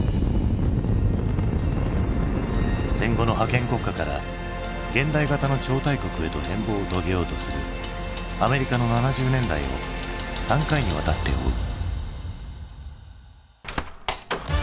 戦後の覇権国家から現代型の超大国へと変貌を遂げようとするアメリカの７０年代を３回にわたって追う。